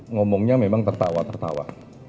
ngomongnya memang tertawa tertawa